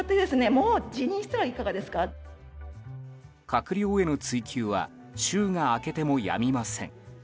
閣僚への追及は週が明けてもやみません。